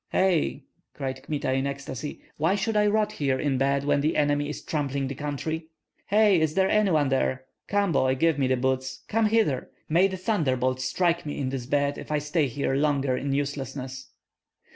"Hei!" cried Kmita, in ecstasy, "why should I rot here in bed when the enemy is trampling the country? Hei! is there any one there? Come, boy, give me my boots; come hither! May the thunderbolts strike me in this bed if I stay here longer in uselessness!"